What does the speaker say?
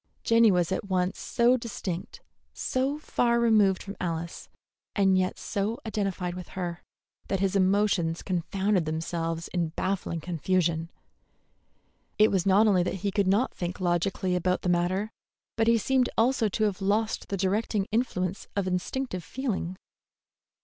Jenny was at once so distinct, so far removed from Alice, and yet so identified with her, that his emotions confounded themselves in baffling confusion. It was not only that he could not think logically about the matter, but he seemed also to have lost the directing influence of instinctive feeling.